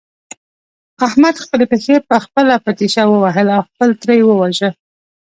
احمد خپلې پښې په خپله په تېشه ووهلې او خپل تره يې وواژه.